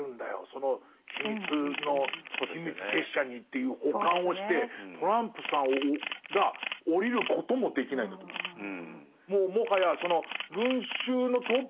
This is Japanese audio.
その秘密結社に」っていう補完をしてトランプさんが降りることもできないんだと思うんですよ。